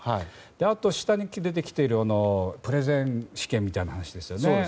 あと、下に出てきているプレゼン試験みたいな話ですよね。